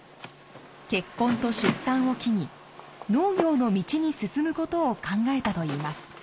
結婚と出産を機に農業の道に進む事を考えたといいます。